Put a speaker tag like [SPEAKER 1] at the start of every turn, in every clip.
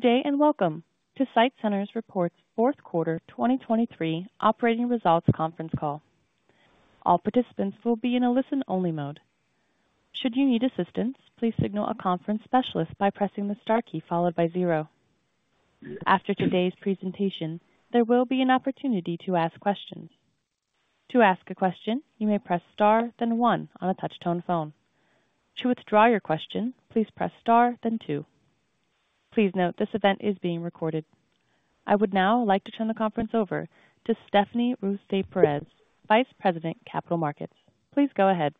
[SPEAKER 1] Good day, and welcome to SITE Centers Reports Fourth Quarter 2023 Operating Results Conference Call. All participants will be in a listen-only mode. Should you need assistance, please signal a conference specialist by pressing the star key followed by zero. After today's presentation, there will be an opportunity to ask questions. To ask a question, you may press Star, then one on a touch tone phone. To withdraw your question, please press Star, then two. Please note, this event is being recorded. I would now like to turn the conference over to Stephanie Ruys de Perez, Vice President, Capital Markets. Please go ahead.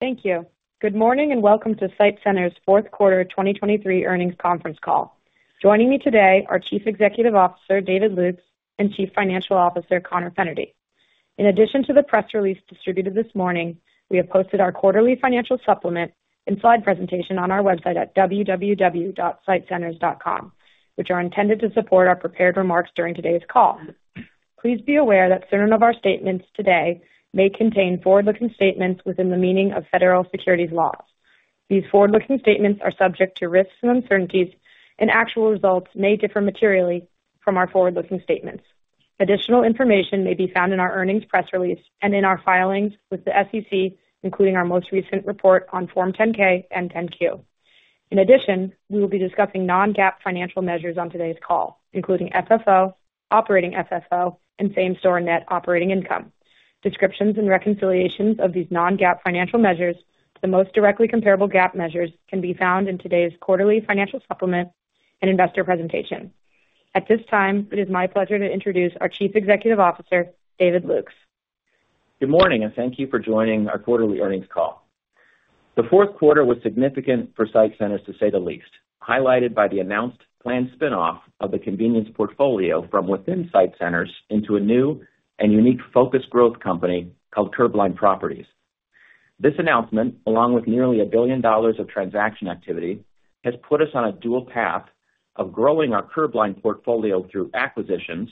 [SPEAKER 2] Thank you. Good morning, and welcome to SITE Centers fourth quarter 2023 earnings conference call. Joining me today are Chief Executive Officer David Lukes and Chief Financial Officer Conor Fennerty. In addition to the press release distributed this morning, we have posted our quarterly financial supplement and slide presentation on our website at www.sitecenters.com, which are intended to support our prepared remarks during today's call. Please be aware that certain of our statements today may contain forward-looking statements within the meaning of federal securities laws. These forward-looking statements are subject to risks and uncertainties, and actual results may differ materially from our forward-looking statements. Additional information may be found in our earnings press release and in our filings with the SEC, including our most recent report on Form 10-K and 10-Q. In addition, we will be discussing non-GAAP financial measures on today's call, including FFO, operating FFO, and same-store net operating income. Descriptions and reconciliations of these non-GAAP financial measures, the most directly comparable GAAP measures, can be found in today's quarterly financial supplement and investor presentation. At this time, it is my pleasure to introduce our Chief Executive Officer, David Lukes.
[SPEAKER 3] Good morning, and thank you for joining our quarterly earnings call. The fourth quarter was significant for SITE Centers, to say the least, highlighted by the announced planned spin-off of the convenience portfolio from within SITE Centers into a new and unique focused growth company called CurbLine Properties. This announcement, along with nearly $1 billion of transaction activity, has put us on a dual path of growing our CurbLine portfolio through acquisitions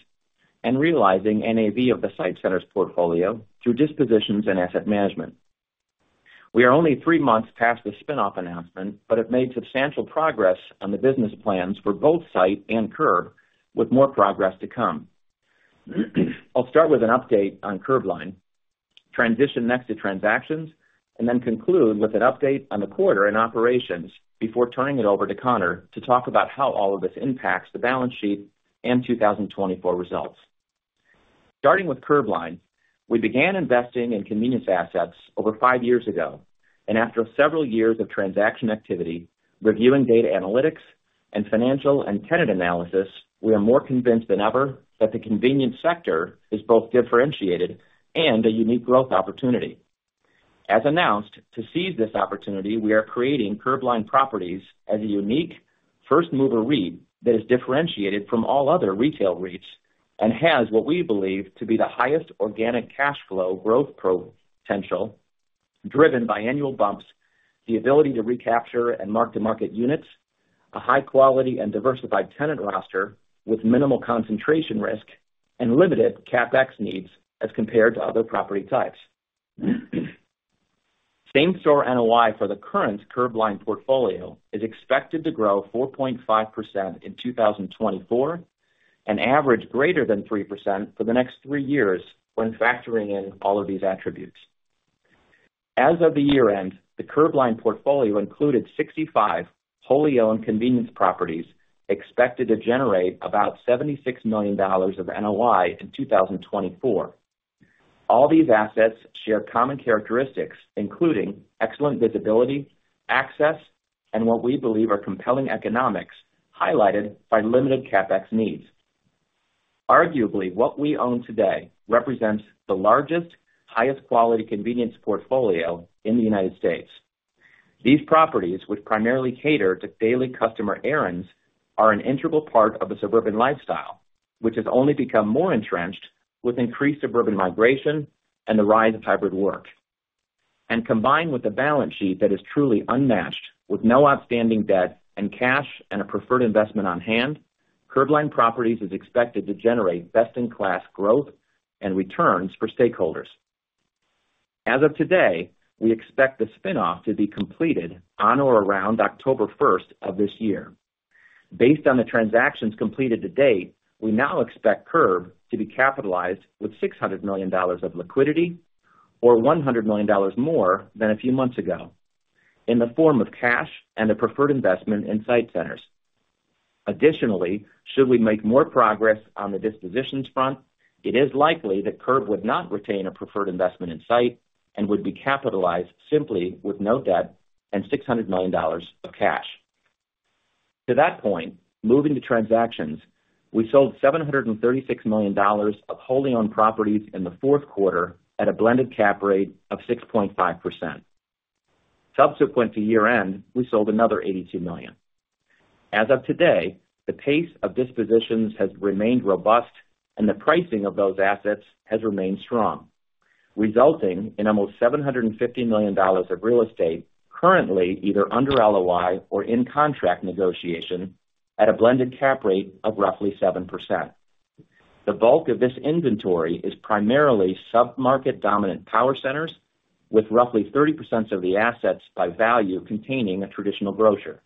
[SPEAKER 3] and realizing NAV of the SITE Centers portfolio through dispositions and asset management. We are only three months past the spin-off announcement, but have made substantial progress on the business plans for both SITE and Curb, with more progress to come. I'll start with an update on CurbLine, transition next to transactions, and then conclude with an update on the quarter and operations before turning it over to Conor to talk about how all of this impacts the balance sheet and 2024 results. Starting with CurbLine, we began investing in convenience assets over five years ago, and after several years of transaction activity, reviewing data analytics and financial and tenant analysis, we are more convinced than ever that the convenience sector is both differentiated and a unique growth opportunity. As announced, to seize this opportunity, we are creating CurbLine Properties as a unique first mover REIT that is differentiated from all other retail REITs and has what we believe to be the highest organic cash flow growth potential, driven by annual bumps, the ability to recapture and mark-to-market units, a high quality and diversified tenant roster with minimal concentration risk, and limited CapEx needs as compared to other property types. Same-store NOI for the current CurbLine portfolio is expected to grow 4.5% in 2024, an average greater than 3% for the next three years when factoring in all of these attributes. As of the year-end, the CurbLine portfolio included 65 wholly owned convenience properties, expected to generate about $76 million of NOI in 2024. All these assets share common characteristics, including excellent visibility, access, and what we believe are compelling economics, highlighted by limited CapEx needs. Arguably, what we own today represents the largest, highest quality convenience portfolio in the United States. These properties, which primarily cater to daily customer errands, are an integral part of the suburban lifestyle, which has only become more entrenched with increased suburban migration and the rise of hybrid work. And combined with a balance sheet that is truly unmatched, with no outstanding debt and cash and a preferred investment on hand, CurbLine Properties is expected to generate best-in-class growth and returns for stakeholders. As of today, we expect the spin-off to be completed on or around October first of this year. Based on the transactions completed to date, we now expect Curb to be capitalized with $600 million of liquidity, or $100 million more than a few months ago, in the form of cash and a preferred investment in SITE Centers. Additionally, should we make more progress on the dispositions front, it is likely that Curb would not retain a preferred investment in SITE and would be capitalized simply with no debt and $600 million of cash. To that point, moving to transactions, we sold $736 million of wholly owned properties in the fourth quarter at a blended cap rate of 6.5%. Subsequent to year-end, we sold another $82 million. As of today, the pace of dispositions has remained robust and the pricing of those assets has remained strong, resulting in almost $750 million of real estate currently, either under LOI or in contract negotiation at a blended cap rate of roughly 7%. The bulk of this inventory is primarily sub-market dominant power centers, with roughly 30% of the assets by value containing a traditional grocer.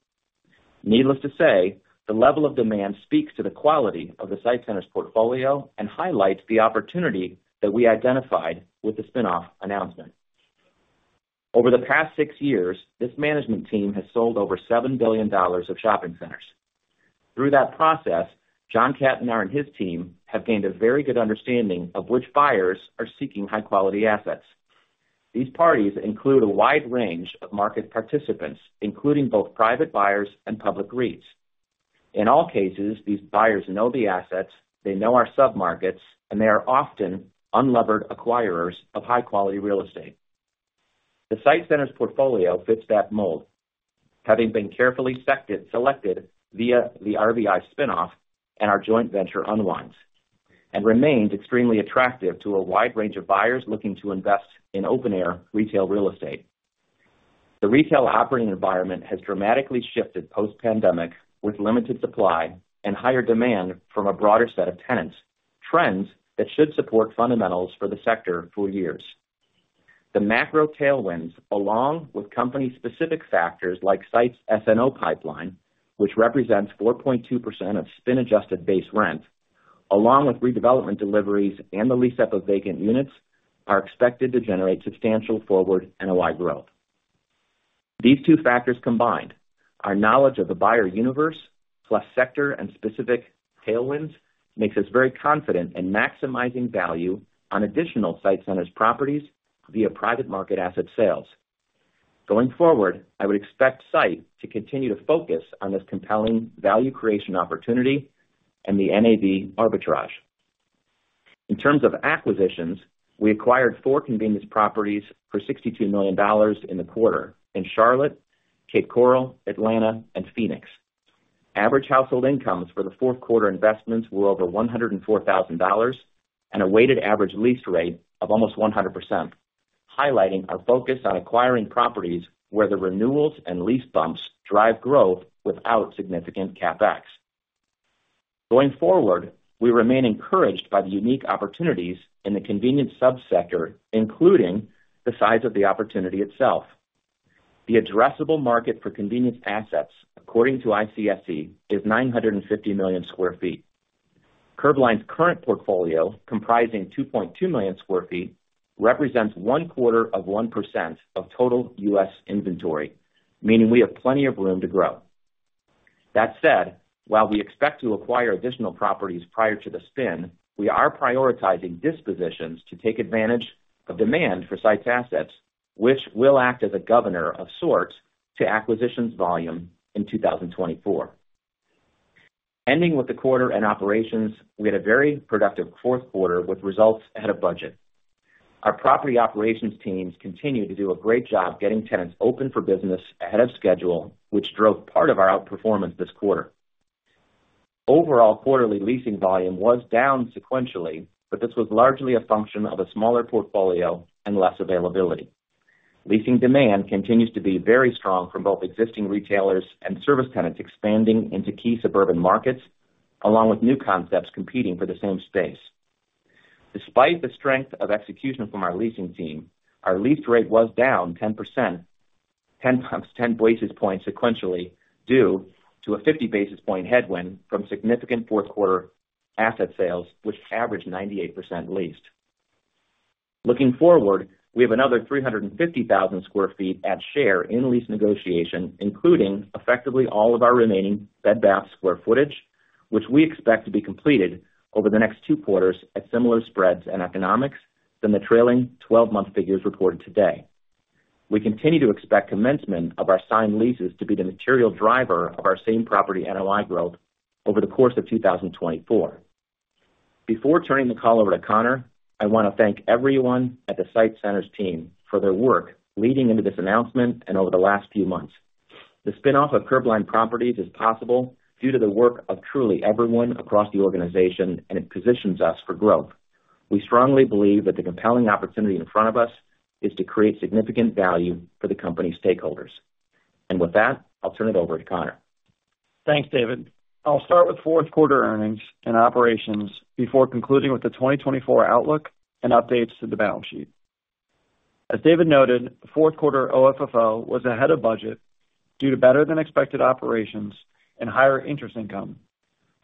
[SPEAKER 3] Needless to say, the level of demand speaks to the quality of the SITE Centers portfolio and highlights the opportunity that we identified with the spin-off announcement. Over the past 6 years, this management team has sold over $7 billion of shopping centers. Through that process, John Cattonar and his team have gained a very good understanding of which buyers are seeking high-quality assets. These parties include a wide range of market participants, including both private buyers and public REITs. In all cases, these buyers know the assets, they know our submarkets, and they are often unlevered acquirers of high-quality real estate. The SITE Centers portfolio fits that mold, having been carefully selected via the RVI spin-off and our joint venture unwinds, and remains extremely attractive to a wide range of buyers looking to invest in open-air retail real estate. The retail operating environment has dramatically shifted post-pandemic, with limited supply and higher demand from a broader set of tenants, trends that should support fundamentals for the sector for years. The macro tailwinds, along with company specific factors like SITE's SNO pipeline, which represents 4.2% of spin adjusted base rent, along with redevelopment deliveries and the lease-up of vacant units, are expected to generate substantial forward NOI growth. These two factors combined, our knowledge of the buyer universe, plus sector and specific tailwinds, makes us very confident in maximizing value on additional SITE Centers properties via private market asset sales. Going forward, I would expect SITE to continue to focus on this compelling value creation opportunity and the NAV arbitrage. In terms of acquisitions, we acquired 4 convenience properties for $62 million in the quarter in Charlotte, Cape Coral, Atlanta, and Phoenix. Average household incomes for the fourth quarter investments were over $104,000, and a weighted average lease rate of almost 100%, highlighting our focus on acquiring properties where the renewals and lease bumps drive growth without significant CapEx. Going forward, we remain encouraged by the unique opportunities in the convenience sub-sector, including the size of the opportunity itself. The addressable market for convenience assets, according to ICSC, is 950 million sq ft. CurbLine's current portfolio, comprising 2.2 million sq ft, represents 0.25% of total U.S. inventory, meaning we have plenty of room to grow. That said, while we expect to acquire additional properties prior to the spin, we are prioritizing dispositions to take advantage of demand for SITE's assets, which will act as a governor of sorts to acquisitions volume in 2024. Ending with the quarter and operations, we had a very productive fourth quarter with results ahead of budget. Our property operations teams continued to do a great job getting tenants open for business ahead of schedule, which drove part of our outperformance this quarter. Overall, quarterly leasing volume was down sequentially, but this was largely a function of a smaller portfolio and less availability. Leasing demand continues to be very strong from both existing retailers and service tenants expanding into key suburban markets, along with new concepts competing for the same space. Despite the strength of execution from our leasing team, our lease rate was down 10 basis points sequentially, due to a 50 basis point headwind from significant fourth quarter asset sales, which averaged 98% leased. Looking forward, we have another 350,000 sq ft at share in lease negotiation, including effectively all of our remaining Bed Bath sq ft, which we expect to be completed over the next two quarters at similar spreads and economics than the trailing twelve-month figures reported today. We continue to expect commencement of our signed leases to be the material driver of our same property NOI growth over the course of 2024. Before turning the call over to Conor, I want to thank everyone at the SITE Centers team for their work leading into this announcement and over the last few months. The spin-off of CurbLine Properties is possible due to the work of truly everyone across the organization, and it positions us for growth. We strongly believe that the compelling opportunity in front of us is to create significant value for the company's stakeholders. With that, I'll turn it over to Conor.
[SPEAKER 4] Thanks, David. I'll start with fourth quarter earnings and operations before concluding with the 2024 outlook and updates to the balance sheet. As David noted, fourth quarter OFFO was ahead of budget due to better than expected operations and higher interest income,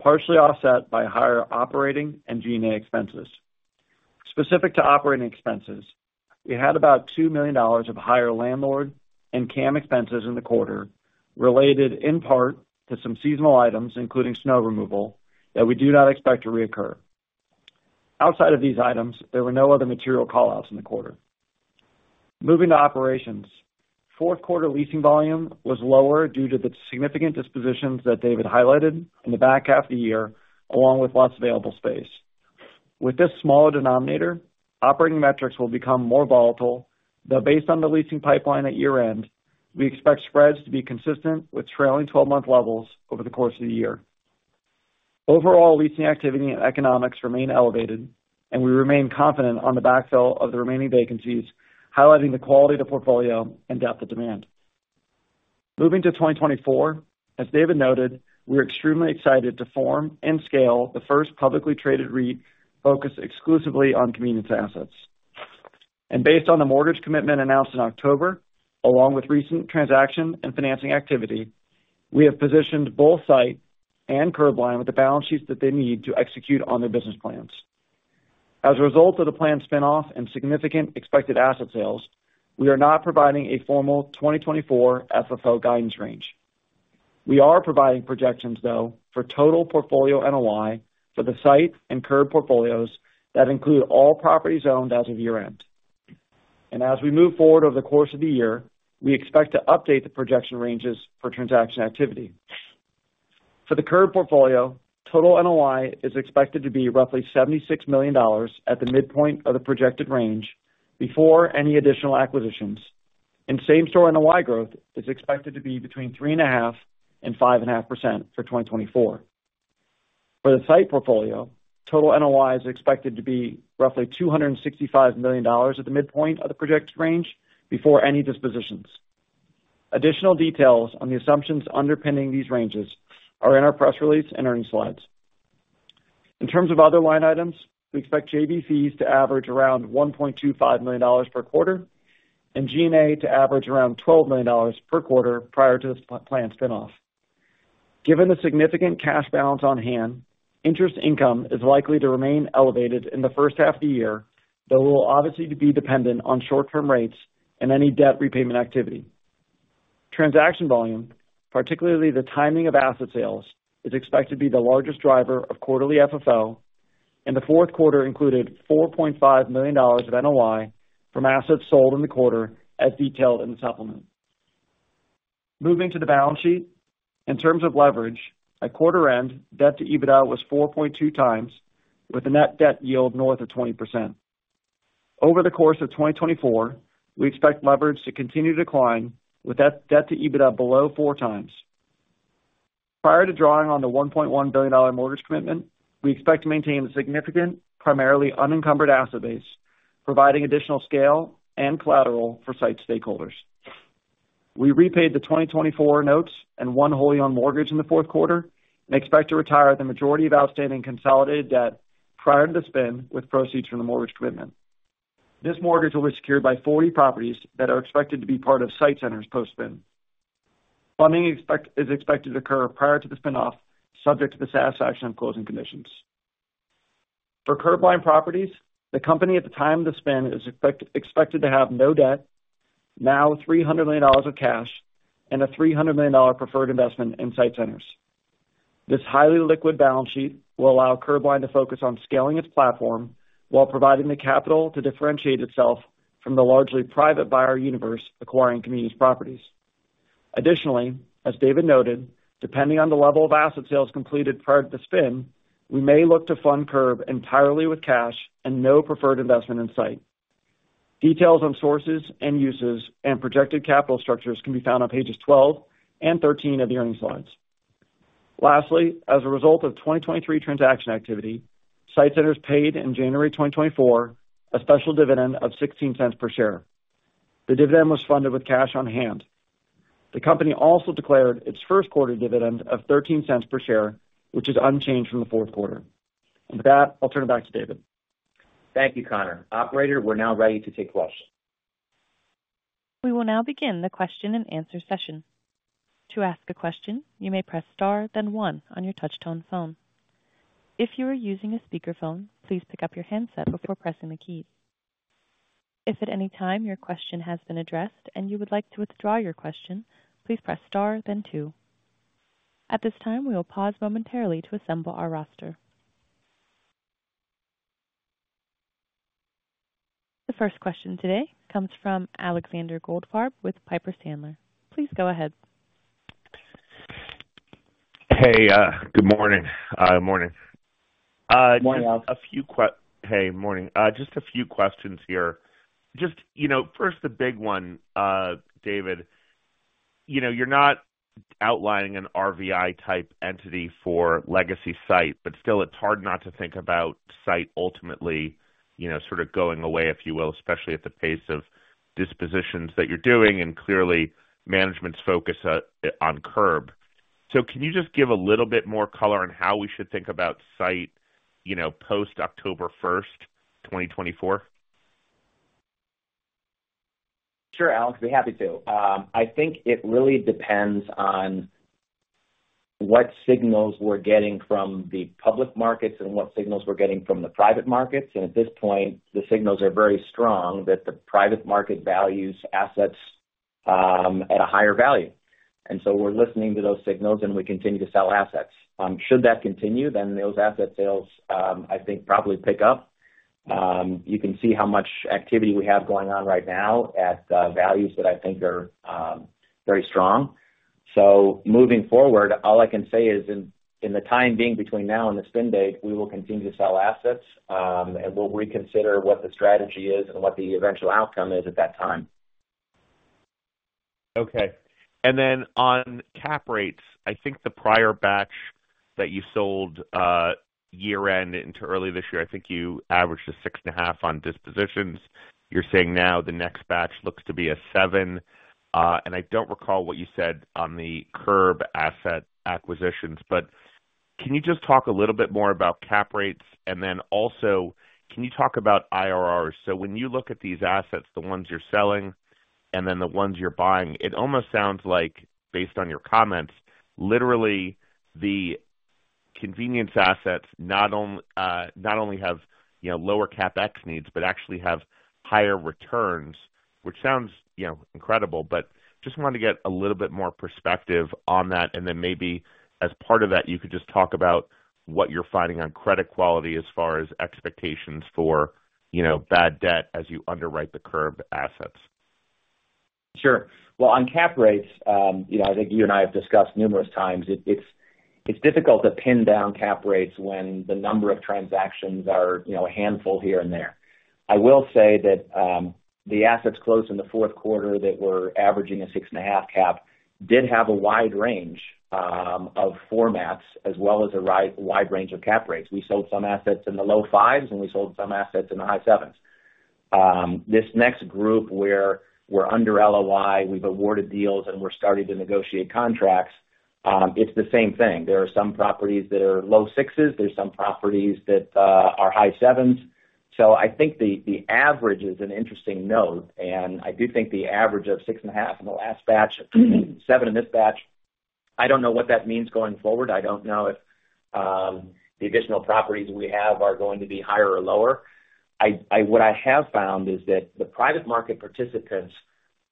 [SPEAKER 4] partially offset by higher operating and G&A expenses. Specific to operating expenses, we had about $2 million of higher landlord and CAM expenses in the quarter, related in part to some seasonal items, including snow removal, that we do not expect to recur. Outside of these items, there were no other material callouts in the quarter. Moving to operations. Fourth quarter leasing volume was lower due to the significant dispositions that David highlighted in the back half of the year, along with less available space. With this smaller denominator, operating metrics will become more volatile, though based on the leasing pipeline at year-end, we expect spreads to be consistent with trailing twelve-month levels over the course of the year. Overall, leasing activity and economics remain elevated, and we remain confident on the backfill of the remaining vacancies, highlighting the quality of the portfolio and depth of demand. Moving to 2024, as David noted, we're extremely excited to form and scale the first publicly traded REIT focused exclusively on convenience assets. Based on the mortgage commitment announced in October, along with recent transaction and financing activity, we have positioned both SITE and CurbLine with the balance sheets that they need to execute on their business plans. As a result of the planned spin-off and significant expected asset sales, we are not providing a formal 2024 FFO guidance range. We are providing projections, though, for total portfolio NOI for the SITE and Curb portfolios that include all properties owned as of year-end. As we move forward over the course of the year, we expect to update the projection ranges for transaction activity. For the Curb portfolio, total NOI is expected to be roughly $76 million at the midpoint of the projected range before any additional acquisitions, and same-store NOI growth is expected to be between 3.5% and 5.5% for 2024. For the SITE portfolio, total NOI is expected to be roughly $265 million at the midpoint of the projected range before any dispositions. Additional details on the assumptions underpinning these ranges are in our press release and earnings slides. In terms of other line items, we expect JV fees to average around $1.25 million per quarter and G&A to average around $12 million per quarter prior to the planned spin-off. Given the significant cash balance on hand, interest income is likely to remain elevated in the first half of the year, though it will obviously be dependent on short-term rates and any debt repayment activity. Transaction volume, particularly the timing of asset sales, is expected to be the largest driver of quarterly FFO, and the fourth quarter included $4.5 million of NOI from assets sold in the quarter, as detailed in the supplement. Moving to the balance sheet. In terms of leverage, at quarter end, debt to EBITDA was 4.2 times, with a net debt yield north of 20%. Over the course of 2024, we expect leverage to continue to decline, with that debt to EBITDA below 4x. Prior to drawing on the $1.1 billion mortgage commitment, we expect to maintain a significant, primarily unencumbered asset base, providing additional scale and collateral for SITE stakeholders. We repaid the 2024 notes and one wholly owned mortgage in the fourth quarter and expect to retire the majority of outstanding consolidated debt prior to the spin with proceeds from the mortgage commitment. This mortgage will be secured by 40 properties that are expected to be part of SITE Centers post-spin. Funding is expected to occur prior to the spin-off, subject to the satisfaction of closing conditions. For CurbLine Properties, the company at the time of the spin is expected to have no debt, $300 million of cash, and a $300 million preferred investment in SITE Centers. This highly liquid balance sheet will allow CurbLine to focus on scaling its platform while providing the capital to differentiate itself from the largely private buyer universe acquiring convenience properties. Additionally, as David noted, depending on the level of asset sales completed prior to the spin, we may look to fund Curb entirely with cash and no preferred investment in SITE Centers. Details on sources and uses and projected capital structures can be found on pages 12 and 13 of the earnings slides. Lastly, as a result of 2023 transaction activity, SITE Centers paid in January 2024 a special dividend of $0.16 per share. The dividend was funded with cash on hand. The company also declared its first quarter dividend of $0.13 per share, which is unchanged from the fourth quarter. With that, I'll turn it back to David.
[SPEAKER 3] Thank you, Conor. Operator, we're now ready to take questions.
[SPEAKER 1] We will now begin the question-and-answer session. To ask a question, you may press star then one on your touchtone phone. If you are using a speakerphone, please pick up your handset before pressing the key. If at any time your question has been addressed and you would like to withdraw your question, please press star then two. At this time, we will pause momentarily to assemble our roster. The first question today comes from Alexander Goldfarb with Piper Sandler. Please go ahead.
[SPEAKER 5] Hey, good morning. Morning.
[SPEAKER 3] Morning, Alex.
[SPEAKER 5] Morning. Just a few questions here. Just, you know, first, the big one, David. You know, you're not outlining an RVI type entity for legacy SITE, but still, it's hard not to think about SITE ultimately, you know, sort of going away, if you will, especially at the pace of dispositions that you're doing, and clearly, management's focus on Curb. So can you just give a little bit more color on how we should think about SITE, you know, post-October 1, 2024?
[SPEAKER 3] Sure, Alex, I'd be happy to. I think it really depends on what signals we're getting from the public markets and what signals we're getting from the private markets. At this point, the signals are very strong that the private market values assets at a higher value. So we're listening to those signals, and we continue to sell assets. Should that continue, then those asset sales, I think, probably pick up. You can see how much activity we have going on right now at values that I think are very strong. So moving forward, all I can say is in the time being between now and the spin date, we will continue to sell assets, and we'll reconsider what the strategy is and what the eventual outcome is at that time.
[SPEAKER 5] Okay. And then on cap rates, I think the prior batch that you sold, year-end into early this year, I think you averaged a 6.5 on dispositions. You're saying now the next batch looks to be a 7. I don't recall what you said on the Curb asset acquisitions, but can you just talk a little bit more about cap rates? And then also, can you talk about IRRs? So when you look at these assets, the ones you're selling and then the ones you're buying, it almost sounds like, based on your comments, literally, the convenience assets, not only have, you know, lower CapEx needs, but actually have higher returns, which sounds, you know, incredible, but just wanted to get a little bit more perspective on that. And then maybe as part of that, you could just talk about what you're finding on credit quality as far as expectations for, you know, bad debt as you underwrite the Curb assets.
[SPEAKER 3] Sure. Well, on cap rates, you know, I think you and I have discussed numerous times, it's difficult to pin down cap rates when the number of transactions are, you know, a handful here and there. I will say that, the assets closed in the fourth quarter that were averaging a 6.5 cap, did have a wide range of formats, as well as a wide range of cap rates. We sold some assets in the low 5s, and we sold some assets in the high 7s. This next group, where we're under LOI, we've awarded deals, and we're starting to negotiate contracts, it's the same thing. There are some properties that are low 6s. There's some properties that are high 7s. So I think the average is an interesting note, and I do think the average of 6.5 in the last batch, 7 in this batch, I don't know what that means going forward. I don't know if the additional properties we have are going to be higher or lower. What I have found is that the private market participants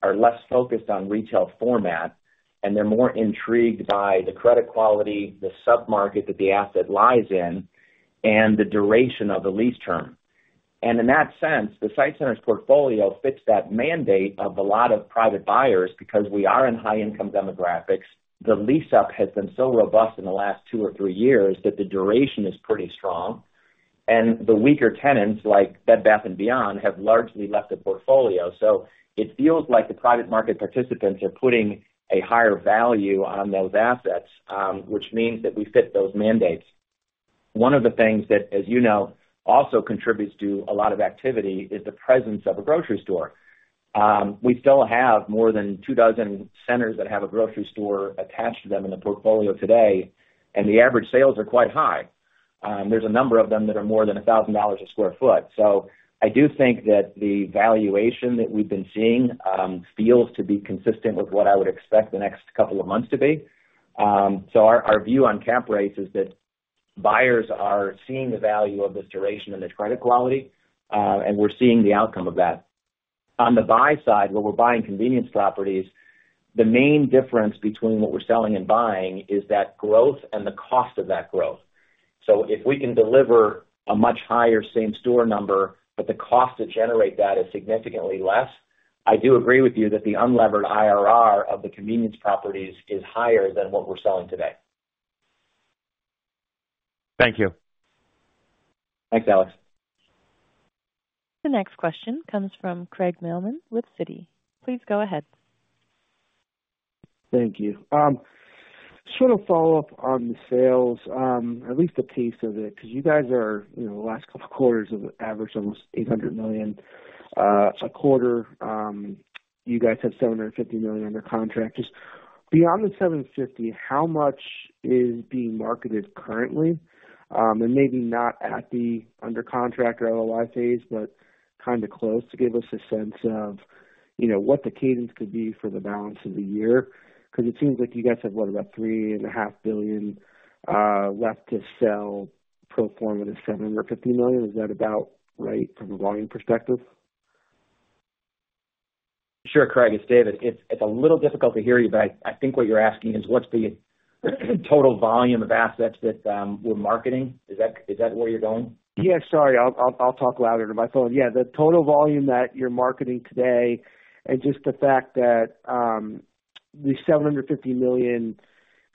[SPEAKER 3] are less focused on retail format, and they're more intrigued by the credit quality, the sub-market that the asset lies in, and the duration of the lease term. And in that sense, SITE Centers' portfolio fits that mandate of a lot of private buyers because we are in high-income demographics. The lease-up has been so robust in the last 2 or 3 years that the duration is pretty strong, and the weaker tenants, like Bed Bath & Beyond, have largely left the portfolio. So it feels like the private market participants are putting a higher value on those assets, which means that we fit those mandates. One of the things that, as you know, also contributes to a lot of activity is the presence of a grocery store. We still have more than two dozen centers that have a grocery store attached to them in the portfolio today, and the average sales are quite high. There's a number of them that are more than $1,000 a sq ft. So I do think that the valuation that we've been seeing feels to be consistent with what I would expect the next couple of months to be. So our, our view on cap rates is that buyers are seeing the value of this duration and the credit quality, and we're seeing the outcome of that. On the buy side, where we're buying convenience properties, the main difference between what we're selling and buying is that growth and the cost of that growth. So if we can deliver a much higher same store number, but the cost to generate that is significantly less, I do agree with you that the unlevered IRR of the convenience properties is higher than what we're selling today.
[SPEAKER 5] Thank you.
[SPEAKER 3] Thanks, Alex.
[SPEAKER 1] The next question comes from Craig Mailman with Citi. Please go ahead.
[SPEAKER 6] Thank you. Sort of follow up on the sales, at least the pace of it, because you guys are, you know, the last couple of quarters have averaged almost $800 million a quarter. You guys have $750 million under contract. Just beyond the 750, how much is being marketed currently? And maybe not at the under contract or LOI phase, but kind of close, to give us a sense of, you know, what the cadence could be for the balance of the year. Because it seems like you guys have, what, about $3.5 billion left to sell, pro forma to $750 million. Is that about right from a volume perspective?
[SPEAKER 3] Sure, Craig, it's David. It's, it's a little difficult to hear you, but I think what you're asking is: what's the total volume of assets that we're marketing? Is that, is that where you're going?
[SPEAKER 6] Yeah, sorry. I'll talk louder to my phone. Yeah, the total volume that you're marketing today, and just the fact that the $750 million,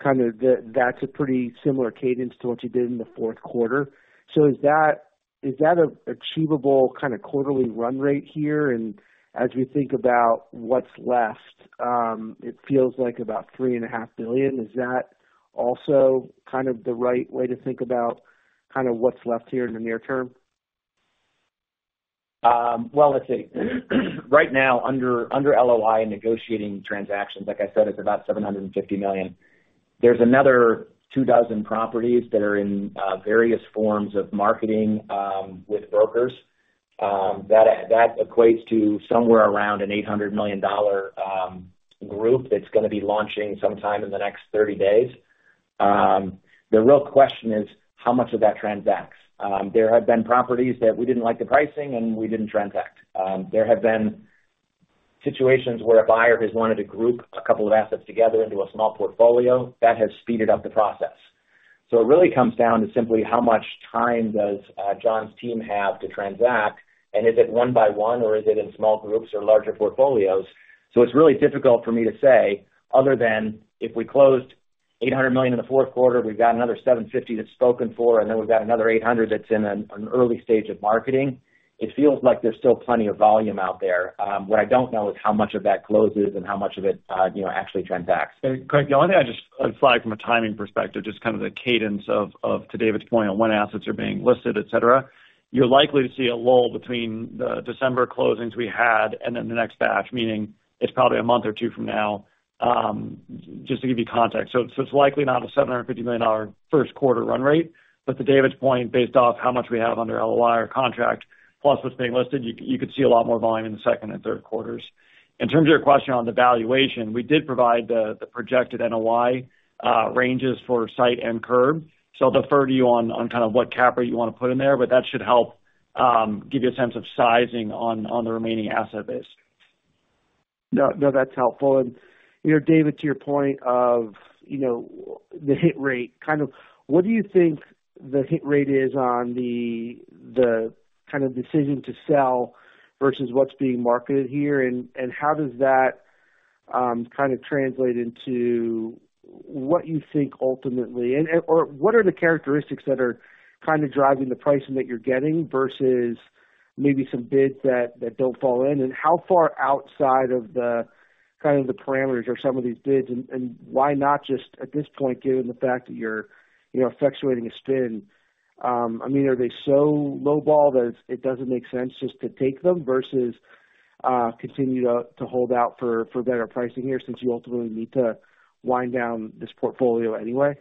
[SPEAKER 6] that's a pretty similar cadence to what you did in the fourth quarter. So is that an achievable kind of quarterly run rate here? And as we think about what's left, it feels like about $3.5 billion. Is that also kind of the right way to think about kind of what's left here in the near term?
[SPEAKER 3] Well, let's see. Right now, under LOI and negotiating transactions, like I said, it's about $750 million. There's another two dozen properties that are in various forms of marketing with brokers. That equates to somewhere around an $800 million group that's gonna be launching sometime in the next 30 days. The real question is: How much of that transacts? There have been properties that we didn't like the pricing, and we didn't transact. There have been situations where a buyer has wanted to group a couple of assets together into a small portfolio. That has speeded up the process. So it really comes down to simply how much time does John's team have to transact, and is it one by one, or is it in small groups or larger portfolios? So it's really difficult for me to say, other than if we closed $800 million in the fourth quarter. We've got another $750 million that's spoken for, and then we've got another $800 million that's in an early stage of marketing. It feels like there's still plenty of volume out there. What I don't know is how much of that closes and how much of it, you know, actually transacts.
[SPEAKER 4] And Craig, the only thing I'd just add, aside from a timing perspective, just kind of the cadence of to David's point, on when assets are being listed, et cetera. You're likely to see a lull between the December closings we had and then the next batch, meaning it's probably a month or two from now, just to give you context. So it's likely not a $750 million first quarter run rate. But to David's point, based off how much we have under LOI or contract, plus what's being listed, you could see a lot more volume in the second and third quarters. In terms of your question on the valuation, we did provide the projected NOI ranges for SITE and Curb. So I'll defer to you on kind of what cap rate you want to put in there, but that should help give you a sense of sizing on the remaining asset base.
[SPEAKER 6] No, no, that's helpful. And, you know, David, to your point of, you know, the hit rate, kind of, what do you think the hit rate is on the kind of decision to sell versus what's being marketed here? And how does that kind of translate into what you think ultimately and or what are the characteristics that are kind of driving the pricing that you're getting versus maybe some bids that don't fall in? How far outside of the, kind of, the parameters are some of these bids, and why not just at this point, given the fact that you're, you know, effectuating a spin, I mean, are they so lowballed that it doesn't make sense just to take them versus continue to hold out for better pricing here, since you ultimately need to wind down this portfolio anyway?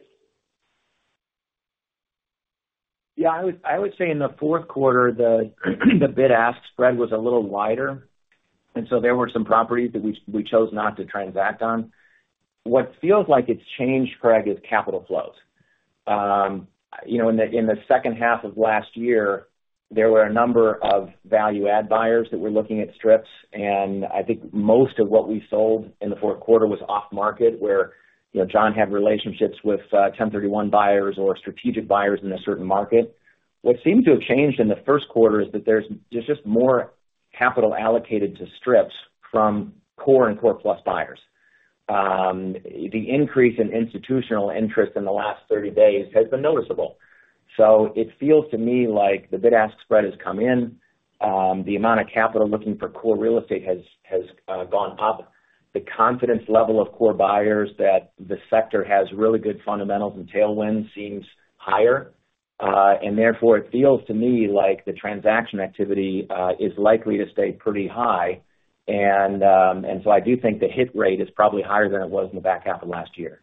[SPEAKER 3] Yeah, I would say in the fourth quarter, the bid-ask spread was a little wider, and so there were some properties that we chose not to transact on. What feels like it's changed, Craig, is capital flows. You know, in the second half of last year, there were a number of value add buyers that were looking at strips, and I think most of what we sold in the fourth quarter was off-market, where you know, John had relationships with 1031 buyers or strategic buyers in a certain market. What seemed to have changed in the first quarter is that there's just more capital allocated to strips from core and core plus buyers. The increase in institutional interest in the last 30 days has been noticeable. So it feels to me like the bid-ask spread has come in. The amount of capital looking for core real estate has gone up. The confidence level of core buyers that the sector has really good fundamentals and tailwinds seems higher. And therefore, it feels to me like the transaction activity is likely to stay pretty high. And so I do think the hit rate is probably higher than it was in the back half of last year.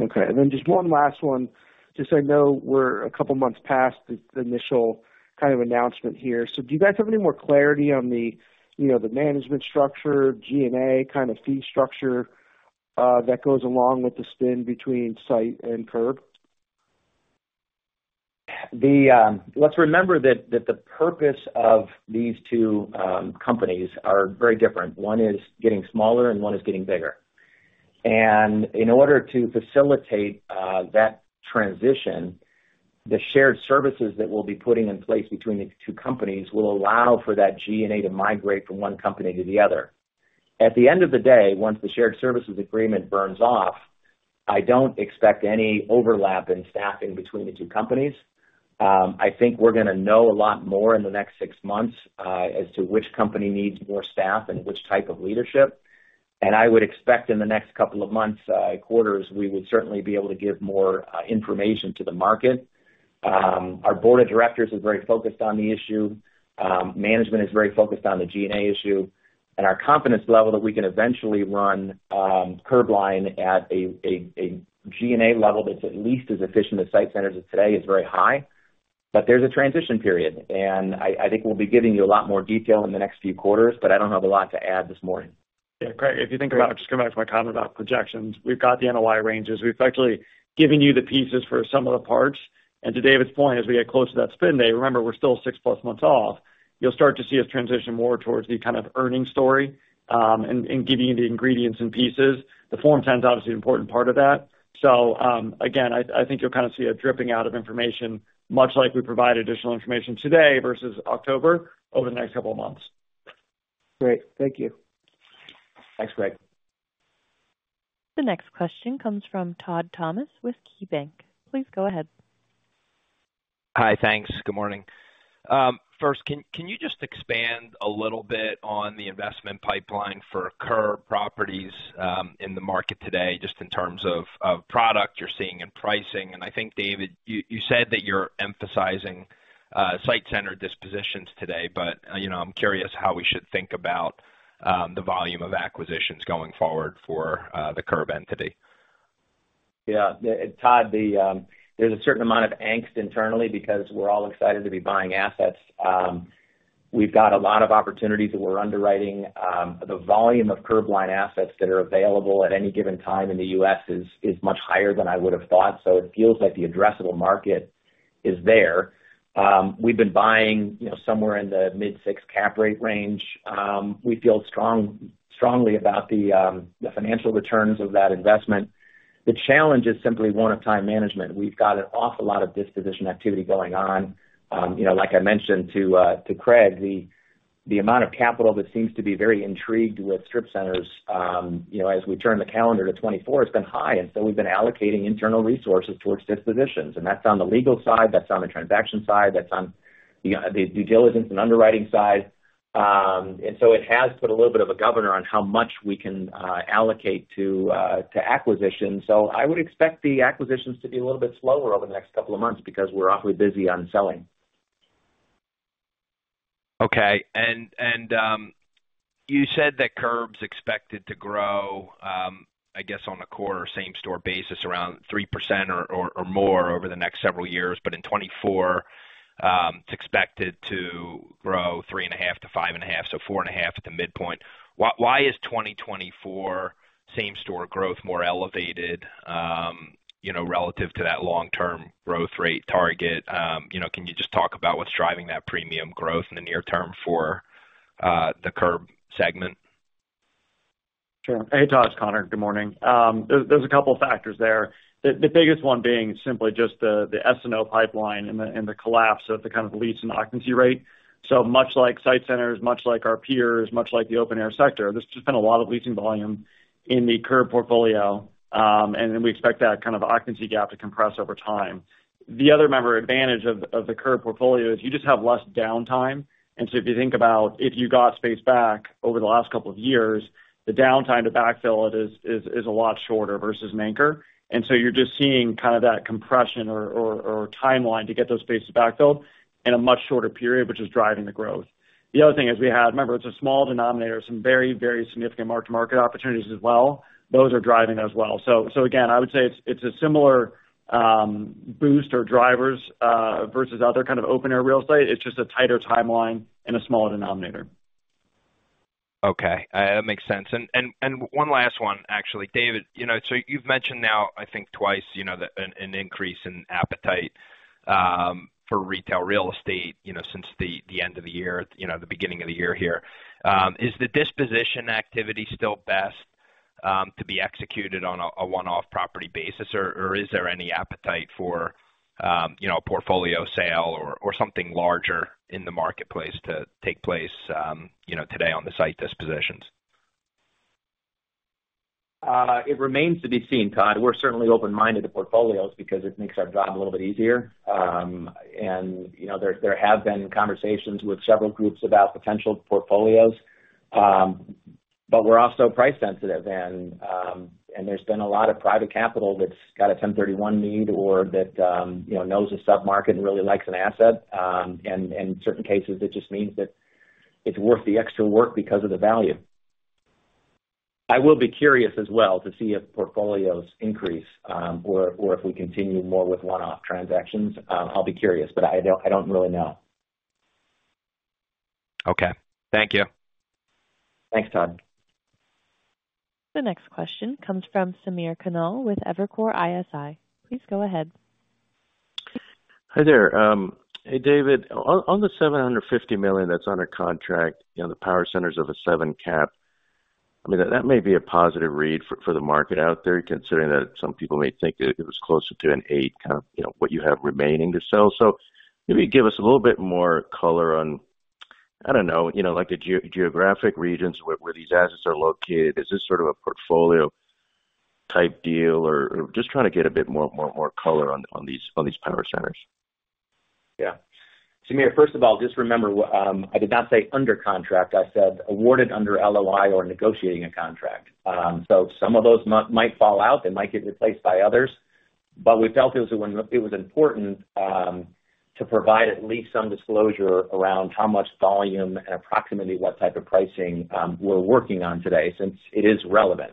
[SPEAKER 6] Okay. And then just one last one. Just, I know we're a couple of months past the initial kind of announcement here. So do you guys have any more clarity on the, you know, the management structure, G&A, kind of fee structure that goes along with the spin between SITE and Curb?
[SPEAKER 3] Let's remember that the purpose of these two companies are very different. One is getting smaller and one is getting bigger. In order to facilitate that transition, the shared services that we'll be putting in place between these two companies will allow for that G&A to migrate from one company to the other. At the end of the day, once the shared services agreement burns off, I don't expect any overlap in staffing between the two companies. I think we're gonna know a lot more in the next six months as to which company needs more staff and which type of leadership. I would expect in the next couple of months, quarters, we would certainly be able to give more information to the market. Our board of directors is very focused on the issue. Management is very focused on the G&A issue, and our confidence level that we can eventually run CurbLine at a G&A level that's at least as efficient as SITE Centers as today, is very high. But there's a transition period, and I think we'll be giving you a lot more detail in the next few quarters, but I don't have a lot to add this morning.
[SPEAKER 4] Yeah, Craig, if you think about it, just going back to my comment about projections, we've got the NOI ranges. We've actually given you the pieces for some of the parts. And to David's point, as we get close to that spin day, remember, we're still six+ months off. You'll start to see us transition more towards the kind of earnings story, and giving you the ingredients and pieces. The Form 10 is obviously an important part of that. So, again, I think you'll kind of see a dripping out of information, much like we provided additional information today versus October, over the next couple of months.
[SPEAKER 6] Great. Thank you.
[SPEAKER 3] Thanks, Craig.
[SPEAKER 1] The next question comes from Todd Thomas with KeyBanc. Please go ahead.
[SPEAKER 7] Hi, thanks. Good morning. First, can you just expand a little bit on the investment pipeline for Curb properties in the market today, just in terms of product you're seeing in pricing? And I think, David, you said that you're emphasizing SITE Centers dispositions today, but you know, I'm curious how we should think about the volume of acquisitions going forward for the Curb entity.
[SPEAKER 3] Yeah, Todd, the, there's a certain amount of angst internally because we're all excited to be buying assets. We've got a lot of opportunities that we're underwriting. The volume of CurbLine assets that are available at any given time in the U.S. is much higher than I would have thought. So it feels like the addressable market is there. We've been buying, you know, somewhere in the mid-six cap rate range. We feel strongly about the financial returns of that investment. The challenge is simply one of time management. We've got an awful lot of disposition activity going on. You know, like I mentioned to Craig, the, The amount of capital that seems to be very intrigued with strip centers, you know, as we turn the calendar to 2024, it's been high, and so we've been allocating internal resources towards dispositions. That's on the legal side, that's on the transaction side, that's on the due diligence and underwriting side. And so it has put a little bit of a governor on how much we can allocate to acquisition. So I would expect the acquisitions to be a little bit slower over the next couple of months because we're awfully busy on selling.
[SPEAKER 7] Okay. And, you said that Curb's expected to grow, I guess, on a core or same-store basis, around 3% or more over the next several years. But in 2024, it's expected to grow 3.5%-5.5%, so 4.5% at the midpoint. Why is 2024 same-store growth more elevated, you know, relative to that long-term growth rate target? You know, can you just talk about what's driving that premium growth in the near term for, the Curb segment?
[SPEAKER 4] Sure. Hey, Todd, it's Conor. Good morning. There's a couple factors there. The biggest one being simply just the S&O pipeline and the collapse of the kind of the lease and occupancy rate. So much like SITE Centers, much like our peers, much like the open-air sector, there's just been a lot of leasing volume in the Curb portfolio, and then we expect that kind of occupancy gap to compress over time. The other member advantage of the Curb portfolio is you just have less downtime. And so if you think about if you got space back over the last couple of years, the downtime to backfill it is a lot shorter versus an anchor. And so you're just seeing kind of that compression or timeline to get those spaces backfilled in a much shorter period, which is driving the growth. The other thing is we had... remember, it's a small denominator, some very, very significant mark-to-market opportunities as well. Those are driving as well. So again, I would say it's a similar boost or drivers versus other kind of open-air real estate. It's just a tighter timeline and a smaller denominator.
[SPEAKER 7] Okay, that makes sense. And, and, and one last one, actually. David, you know, so you've mentioned now, I think twice, you know, that an, an increase in appetite, for retail real estate, you know, since the, the end of the year, you know, the beginning of the year here. Is the disposition activity still best, to be executed on a, a one-off property basis? Or, or is there any appetite for, you know, a portfolio sale or, or something larger in the marketplace to take place, you know, today on the SITE dispositions?
[SPEAKER 3] It remains to be seen, Todd. We're certainly open-minded to portfolios because it makes our job a little bit easier. And, you know, there, there have been conversations with several groups about potential portfolios, but we're also price sensitive. And, and there's been a lot of private capital that's got a 1031 need or that, you know, knows a sub-market and really likes an asset. And, and in certain cases, it just means that it's worth the extra work because of the value. I will be curious as well to see if portfolios increase, or, or if we continue more with one-off transactions. I'll be curious, but I don't, I don't really know.
[SPEAKER 7] Okay. Thank you.
[SPEAKER 3] Thanks, Todd.
[SPEAKER 1] The next question comes from Samir Khanal with Evercore ISI. Please go ahead.
[SPEAKER 8] Hi there. Hey, David, on, on the $750 million that's under contract, you know, the power centers of a 7 cap, I mean, that may be a positive read for, for the market out there, considering that some people may think it, it was closer to an 8 kind of, you know, what you have remaining to sell. So maybe give us a little bit more color on, I don't know, you know, like, the geographic regions where, where these assets are located. Is this sort of a portfolio-type deal? Or just trying to get a bit more, more, more color on, on these, on these power centers.
[SPEAKER 3] Yeah. Samir, first of all, just remember, I did not say under contract. I said, awarded under LOI or negotiating a contract. So some of those might fall out, they might get replaced by others. But we felt it was important to provide at least some disclosure around how much volume and approximately what type of pricing we're working on today, since it is relevant.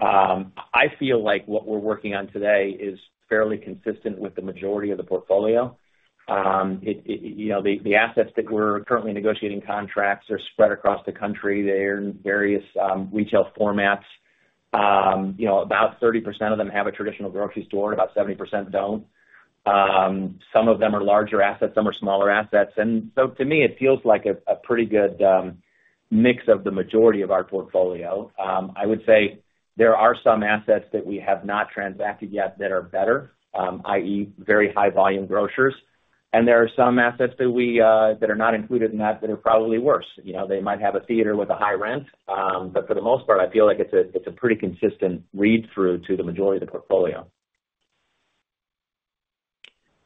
[SPEAKER 3] I feel like what we're working on today is fairly consistent with the majority of the portfolio. You know, the assets that we're currently negotiating contracts are spread across the country. They're in various retail formats. You know, about 30% of them have a traditional grocery store, and about 70% don't. Some of them are larger assets, some are smaller assets. To me, it feels like a pretty good mix of the majority of our portfolio. I would say there are some assets that we have not transacted yet that are better, i.e., very high volume grocers. And there are some assets that we that are not included in that, that are probably worse. You know, they might have a theater with a high rent, but for the most part, I feel like it's a pretty consistent read-through to the majority of the portfolio.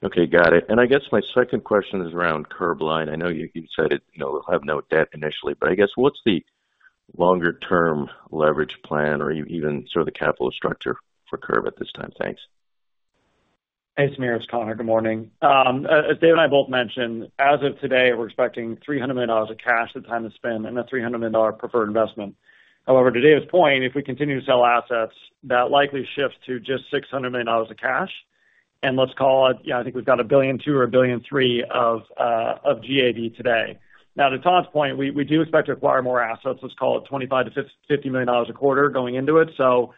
[SPEAKER 8] Okay, got it. And I guess my second question is around CurbLine. I know you, you said it, you know, we'll have no debt initially, but I guess, what's the longer-term leverage plan or even sort of the capital structure for Curb at this time? Thanks.
[SPEAKER 4] Hey, Sameer, it's Conor. Good morning. As David and I both mentioned, as of today, we're expecting $300 million of cash at time to spend and a $300 million preferred investment. However, to David's point, if we continue to sell assets, that likely shifts to just $600 million of cash, and let's call it. Yeah, I think we've got $1.2 billion or $1.3 billion of GAV today. Now, to Todd's point, we do expect to acquire more assets, let's call it $25 million-$50 million a quarter going into it. So,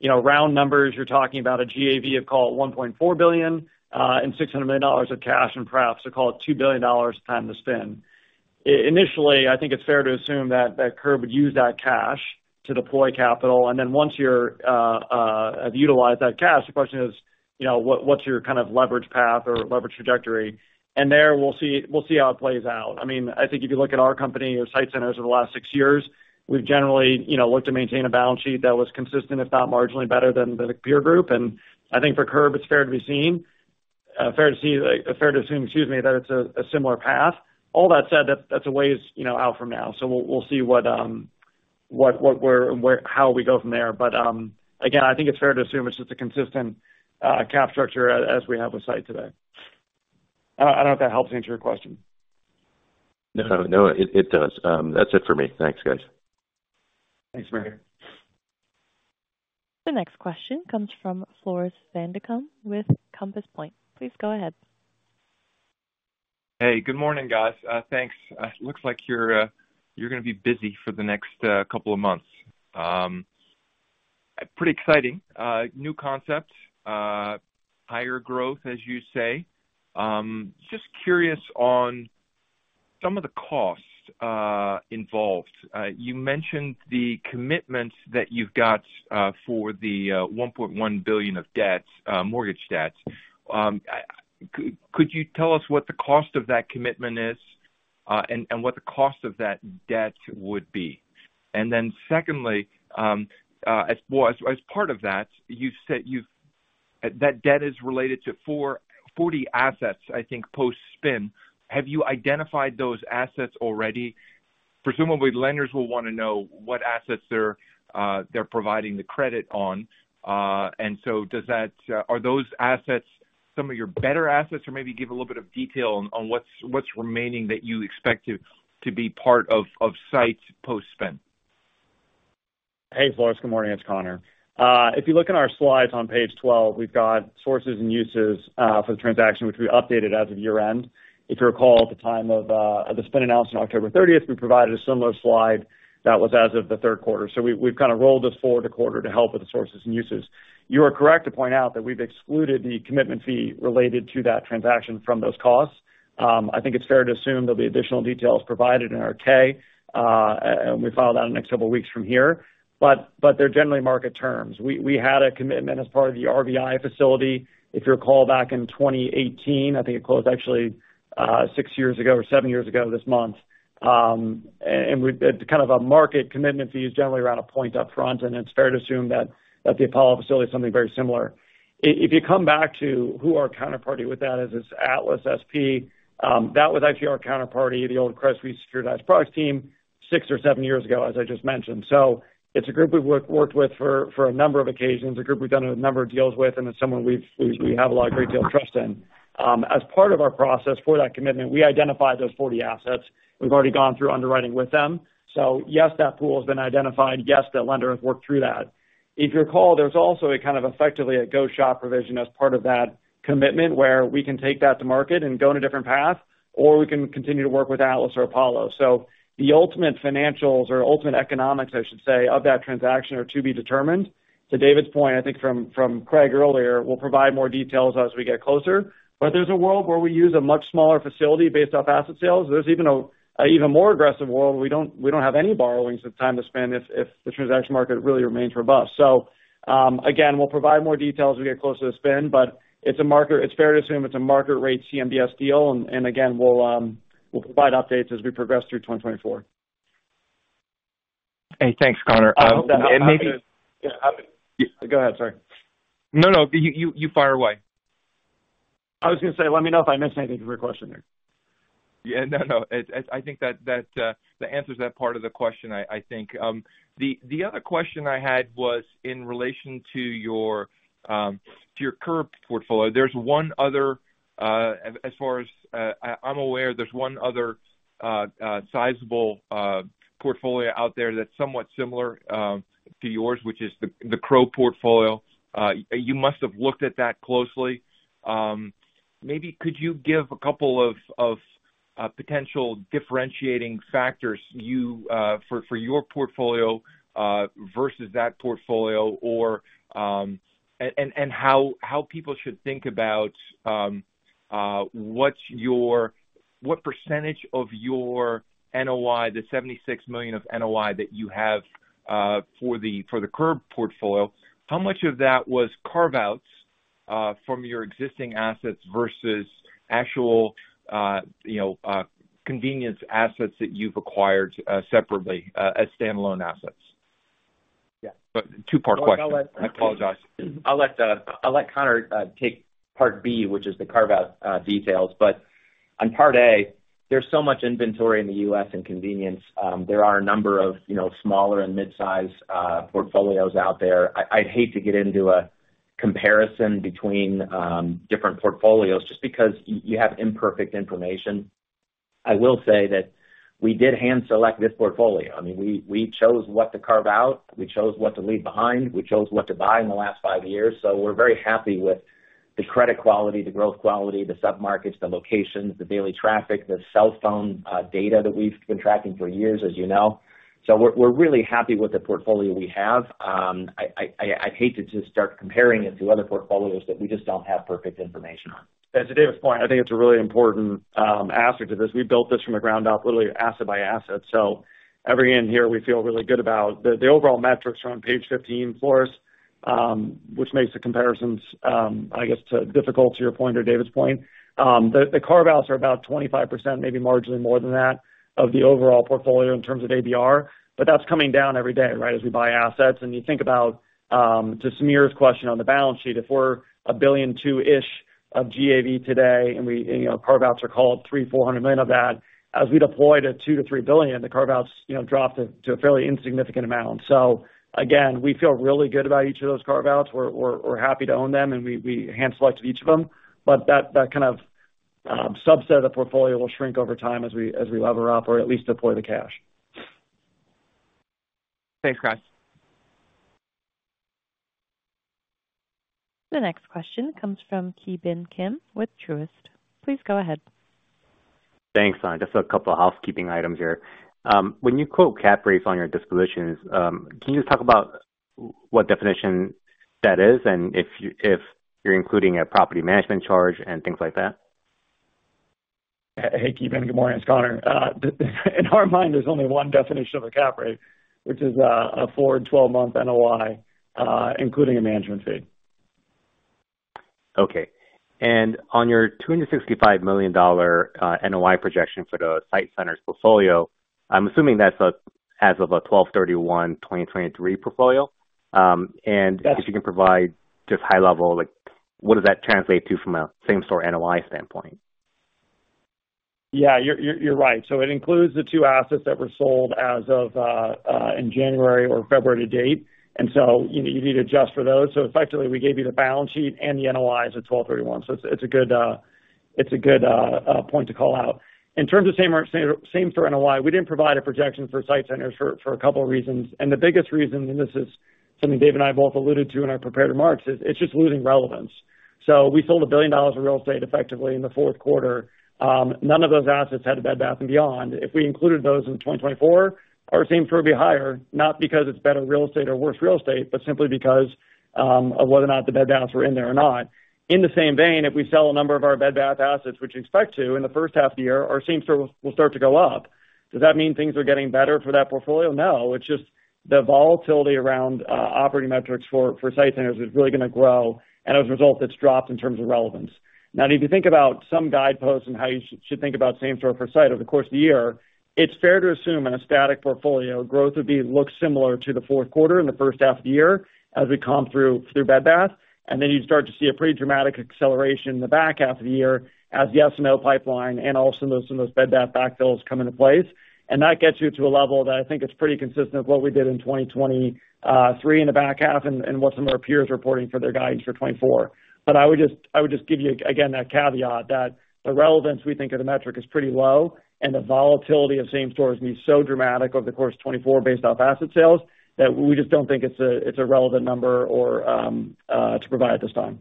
[SPEAKER 4] you know, round numbers, you're talking about a GAV of, call it, $1.4 billion and $600 million of cash, and perhaps, so call it $2 billion time to spend. Initially, I think it's fair to assume that Curb would use that cash to deploy capital, and then once you have utilized that cash, the question is, you know, what’s your kind of leverage path or leverage trajectory? And there, we'll see how it plays out. I mean, I think if you look at our company or SITE Centers over the last six years, we've generally, you know, looked to maintain a balance sheet that was consistent, if not marginally better than the peer group. And I think for Curb, it's fair to assume, excuse me, that it's a similar path. All that said, that's a ways, you know, out from now. So we'll see what we're, how we go from there. But, again, I think it's fair to assume it's just a consistent cap structure as we have with SITE today. I don't know if that helps answer your question.
[SPEAKER 9] No, no, it does. That's it for me. Thanks, guys.
[SPEAKER 4] Thanks, Rick.
[SPEAKER 1] The next question comes from Floris van Dijkum with Compass Point. Please go ahead.
[SPEAKER 10] Hey, good morning, guys. Thanks. Looks like you're gonna be busy for the next couple of months. Pretty exciting new concept, higher growth, as you say. Just curious on some of the costs involved. You mentioned the commitments that you've got for the $1.1 billion of debts, mortgage debts. Could you tell us what the cost of that commitment is, and what the cost of that debt would be? And then secondly, well, as part of that, that debt is related to 40 assets, I think, post-spin. Have you identified those assets already? Presumably, lenders will wanna know what assets they're providing the credit on. And so does that... Are those assets some of your better assets? Or maybe give a little bit of detail on what's remaining that you expect to be part of SITE post-spin.
[SPEAKER 4] Hey, Floris. Good morning, it's Conor. If you look in our slides on page 12, we've got sources and uses for the transaction, which we updated as of year-end. If you recall, at the time of the spin announcement on October thirtieth, we provided a similar slide that was as of the third quarter. So we, we've kind of rolled this forward a quarter to help with the sources and uses. You are correct to point out that we've excluded the commitment fee related to that transaction from those costs. I think it's fair to assume there'll be additional details provided in our 10-K, and we file that in the next couple of weeks from here. But they're generally market terms. We had a commitment as part of the RVI facility. If you recall, back in 2018, I think it closed actually, six years ago or seven years ago this month. And it's kind of a market commitment fee is generally around a point up front, and it's fair to assume that the Apollo facility is something very similar. If you come back to who our counterparty with that is, it's Atlas SP. That was actually our counterparty, the old Credit Suisse securitized products team, six or seven years ago, as I just mentioned. So it's a group we've worked with for a number of occasions, a group we've done a number of deals with, and it's someone we've a great deal of trust in. As part of our process for that commitment, we identified those 40 assets. We've already gone through underwriting with them. So yes, that pool has been identified. Yes, that lender has worked through that. If you recall, there's also a kind of, effectively, a go shop provision as part of that commitment, where we can take that to market and go in a different path, or we can continue to work with Atlas or Apollo. So the ultimate financials or ultimate economics, I should say, of that transaction, are to be determined. To David's point, I think from Craig earlier, we'll provide more details as we get closer. But there's a world where we use a much smaller facility based off asset sales. There's even an even more aggressive world. We don't have any borrowings at the time to spend if the transaction market really remains robust. Again, we'll provide more details as we get closer to spin, but it's a market, it's fair to assume it's a market rate CMBS deal, and again, we'll provide updates as we progress through 2024.
[SPEAKER 10] Hey, thanks, Conor. Maybe.
[SPEAKER 4] Go ahead, sorry.
[SPEAKER 10] No, no, you fire away.
[SPEAKER 4] I was gonna say, let me know if I missed anything from your question there.
[SPEAKER 10] Yeah, no, no. I think that the answer is that part of the question, I think. The other question I had was in relation to your Curb portfolio. There's one other, as far as I'm aware, there's one other sizable portfolio out there that's somewhat similar to yours, which is the Crow portfolio. You must have looked at that closely. Maybe could you give a couple of potential differentiating factors for your portfolio versus that portfolio or. And how people should think about what % of your NOI, the $76 million of NOI that you have for the Curb portfolio, how much of that was carve-outs from your existing assets versus actual, you know, convenience assets that you've acquired separately as standalone assets?
[SPEAKER 4] Yeah.
[SPEAKER 10] Two-part question. I apologize.
[SPEAKER 3] I'll let, I'll let Conor take part B, which is the carve-out details. But on part A, there's so much inventory in the U.S. and convenience. There are a number of, you know, smaller and mid-size portfolios out there. I, I'd hate to get into a comparison between different portfolios just because you have imperfect information. I will say that we did hand-select this portfolio. I mean, we, we chose what to carve out, we chose what to leave behind, we chose what to buy in the last five years. So we're very happy with the credit quality, the growth quality, the sub-markets, the locations, the daily traffic, the cell phone data that we've been tracking for years, as you know. So we're, we're really happy with the portfolio we have. I'd hate to just start comparing it to other portfolios that we just don't have perfect information on.
[SPEAKER 4] Yeah, to David's point, I think it's a really important aspect to this. We built this from the ground up, literally asset by asset. So every in here, we feel really good about... The overall metrics are on page 15, Floris. Which makes the comparisons, I guess, too difficult to your point or David's point. The carve-outs are about 25%, maybe marginally more than that, of the overall portfolio in terms of ABR, but that's coming down every day, right, as we buy assets. And you think about, to Samir's question on the balance sheet, if we're $1.2 billion-ish of GAV today, and we, you know, carve-outs are called $300-$400 million of that, as we deploy to $2 billion-$3 billion, the carve-outs, you know, drop to a fairly insignificant amount. So again, we feel really good about each of those carve-outs. We're happy to own them, and we hand-selected each of them. But that kind of subset of the portfolio will shrink over time as we lever up or at least deploy the cash.
[SPEAKER 10] Thanks, Chris.
[SPEAKER 1] The next question comes from Ki Bin Kim with Truist. Please go ahead.
[SPEAKER 11] Thanks. Just a couple of housekeeping items here. When you quote cap rates on your distributions, can you just talk about what definition that is, and if you, if you're including a property management charge and things like that?
[SPEAKER 4] Hey, Ki Bin. Good morning, it's Conor. In our mind, there's only one definition of a cap rate, which is a 4- and 12-month NOI, including a management fee.
[SPEAKER 11] Okay. And on your $265 million NOI projection for the SITE Centers portfolio, I'm assuming that's as of a 12/31/2023 portfolio.
[SPEAKER 4] Yes.
[SPEAKER 11] And if you can provide just high level, like, what does that translate to from a same-store NOI standpoint?
[SPEAKER 4] Yeah, you're right. So it includes the two assets that were sold as of in January or February to date, and so, you know, you need to adjust for those. So effectively, we gave you the balance sheet and the NOIs at 12/31. So it's a good point to call out. In terms of same-store NOI, we didn't provide a projection for SITE Centers for a couple reasons. The biggest reason, and this is something Dave and I both alluded to in our prepared remarks, is it's just losing relevance. So we sold $1 billion of real estate effectively in the fourth quarter. None of those assets had a Bed Bath & Beyond. If we included those in 2024, our same store would be higher, not because it's better real estate or worse real estate, but simply because of whether or not the Bed Bath were in there or not. In the same vein, if we sell a number of our Bed Bath assets, which we expect to in the first half of the year, our same store will start to go up. Does that mean things are getting better for that portfolio? No. It's just the volatility around operating metrics for SITE Centers is really going to grow, and as a result, it's dropped in terms of relevance. Now, if you think about some guideposts and how you should think about same-store for SITE over the course of the year, it's fair to assume in a static portfolio, growth would look similar to the fourth quarter and the first half of the year as we comb through Bed Bath, and then you'd start to see a pretty dramatic acceleration in the back half of the year as the SNO pipeline and also some of those Bed Bath backfills come into place. And that gets you to a level that I think it's pretty consistent with what we did in 2023 in the back half and what some of our peers are reporting for their guidance for 2024. But I would just, I would just give you, again, that caveat that the relevance we think of the metric is pretty low, and the volatility of same stores will be so dramatic over the course of 2024 based off asset sales, that we just don't think it's a, it's a relevant number or to provide at this time.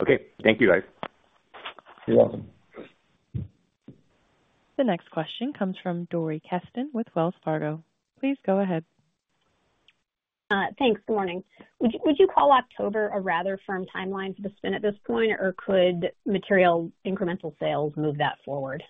[SPEAKER 11] Okay. Thank you, guys.
[SPEAKER 4] You're welcome.
[SPEAKER 1] The next question comes from Dori Kesten with Wells Fargo. Please go ahead.
[SPEAKER 12] Thanks. Good morning. Would you call October a rather firm timeline for the spin at this point, or could material incremental sales move that forward?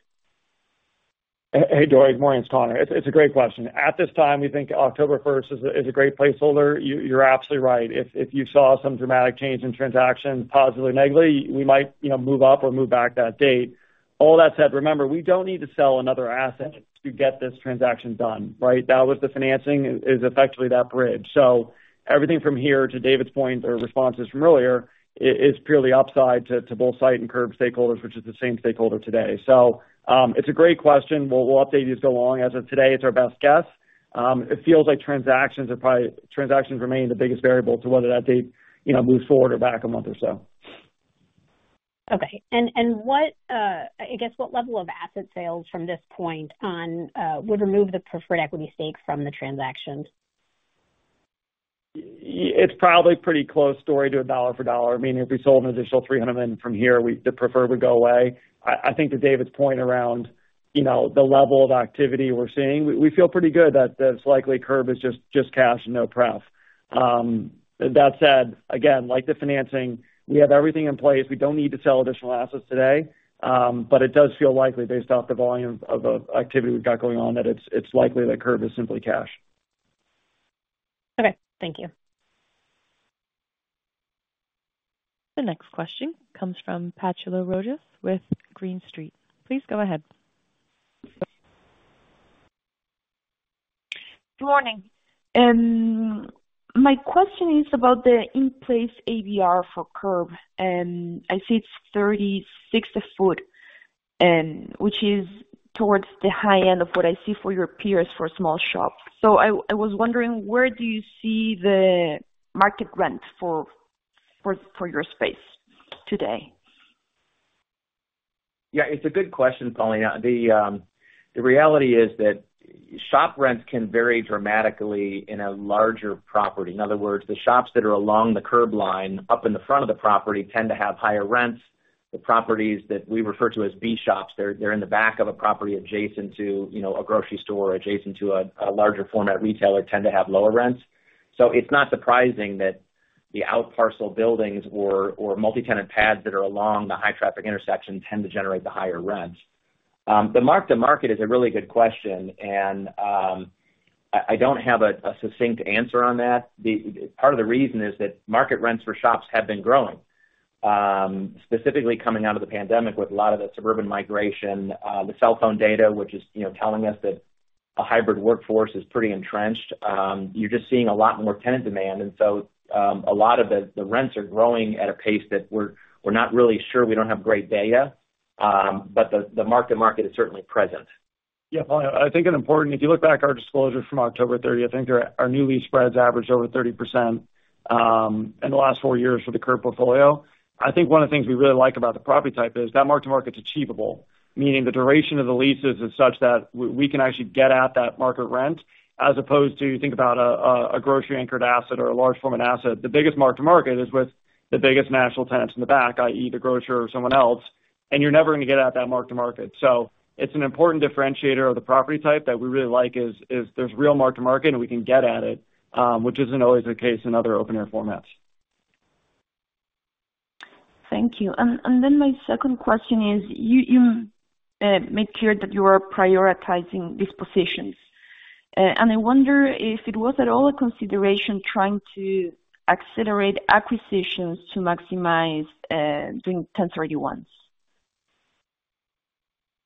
[SPEAKER 4] Hey, Dori. Good morning, it's Conor. It's a great question. At this time, we think October first is a great placeholder. You're absolutely right. If you saw some dramatic change in transactions, positively or negatively, we might, you know, move up or move back that date. All that said, remember, we don't need to sell another asset to get this transaction done, right? That was the financing, is effectively that bridge. So everything from here to David's point or responses from earlier is purely upside to both SITE and Curb stakeholders, which is the same stakeholder today. So it's a great question. We'll update you so long. As of today, it's our best guess. It feels like transactions are probably, transactions remain the biggest variable to whether that date, you know, moves forward or back a month or so.
[SPEAKER 12] Okay. And, I guess, what level of asset sales from this point on would remove the preferred equity stake from the transactions?
[SPEAKER 4] It's probably a pretty close story to a dollar-for-dollar, meaning if we sold an additional $300 million from here, the preferred would go away. I think to David's point around, you know, the level of activity we're seeing, we feel pretty good that this likely Curb is just cash and no pref. That said, again, like the financing, we have everything in place. We don't need to sell additional assets today, but it does feel likely, based off the volume of activity we've got going on, that it's likely that Curb is simply cash.
[SPEAKER 12] Okay, thank you.
[SPEAKER 1] The next question comes from Paulina Rojas with Green Street. Please go ahead.
[SPEAKER 13] Good morning. My question is about the in-place ABR for Curb, and I see it's $36 a foot, which is towards the high end of what I see for your peers for small shops. So I was wondering, where do you see the market rent for your space today?
[SPEAKER 3] Yeah, it's a good question, Paula. The reality is that shop rents can vary dramatically in a larger property. In other words, the shops that are along the curb line, up in the front of the property tend to have higher rents. The properties that we refer to as B shops, they're in the back of a property adjacent to, you know, a grocery store or adjacent to a larger format retailer, tend to have lower rents. So it's not surprising that the outparcel buildings or multi-tenant pads that are along the high traffic intersection tend to generate the higher rents. The mark-to-market is a really good question, and I don't have a succinct answer on that. Part of the reason is that market rents for shops have been growing, specifically coming out of the pandemic, with a lot of the suburban migration, the cell phone data, which is, you know, telling us that a hybrid workforce is pretty entrenched. You're just seeing a lot more tenant demand, and so, a lot of the rents are growing at a pace that we're not really sure. We don't have great data, but the mark-to-market is certainly present.
[SPEAKER 4] Yeah, Paulina, I think an important, if you look back at our disclosure from October thirtieth, I think our new lease spreads averaged over 30%, in the last four years for the Curb portfolio. I think one of the things we really like about the property type is that mark-to-market's achievable, meaning the duration of the leases is such that we can actually get at that market rent, as opposed to, think about a grocery-anchored asset or a large format asset. The biggest mark-to-market is with the biggest national tenants in the back, i.e., the grocer or someone else, and you're never gonna get at that mark-to-market. So it's an important differentiator of the property type that we really like, is there's real mark-to-market, and we can get at it, which isn't always the case in other open-air formats.
[SPEAKER 13] Thank you. And then my second question is, you made clear that you are prioritizing dispositions, and I wonder if it was at all a consideration trying to accelerate acquisitions to maximize doing 1031s?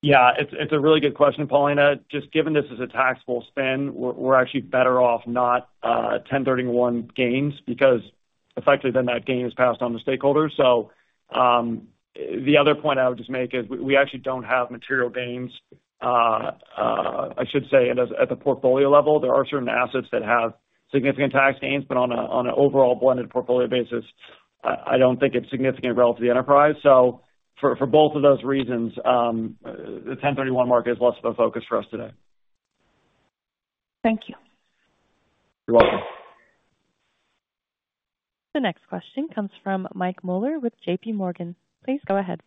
[SPEAKER 4] Yeah, it's a really good question, Paulina. Just given this is a taxable spin, we're actually better off not 1031 gains, because effectively, then that gain is passed on to stakeholders. So, the other point I would just make is we actually don't have material gains, I should say, at the portfolio level. There are certain assets that have significant tax gains, but on an overall blended portfolio basis, I don't think it's significant relevant to the enterprise. So for both of those reasons, the 1031 market is less of a focus for us today.
[SPEAKER 13] Thank you.
[SPEAKER 4] You're welcome.
[SPEAKER 1] The next question comes from Mike Mueller with J.P. Morgan. Please go ahead.